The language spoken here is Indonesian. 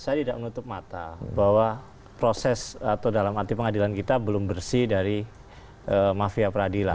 saya tidak menutup mata bahwa proses atau dalam arti pengadilan kita belum bersih dari mafia peradilan